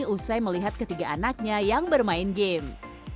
usai melihat ketiga anaknya yang bermain game